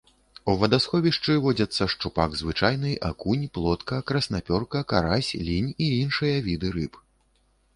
У вадасховішчы водзяцца шчупак звычайны, акунь, плотка, краснапёрка, карась, лінь і іншыя віды рыб.